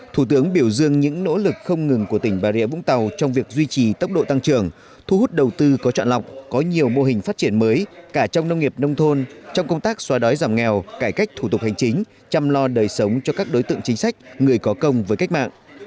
thủ tướng biểu dương những nỗ lực không ngừng của tỉnh bà rịa vũng tàu trong việc duy trì tốc độ tăng trưởng thu hút đầu tư có chọn lọc có nhiều mô hình phát triển mới cả trong nông nghiệp nông thôn trong công tác xóa đói giảm nghèo cải cách thủ tục hành chính chăm lo đời sống cho các đối tượng chính sách người có công với cách mạng